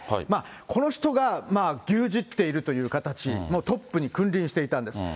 この人が牛耳っているっていう形、トップに君臨していたんです。